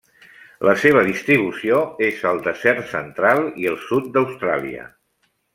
La seva distribució és al desert central i el sud d'Austràlia.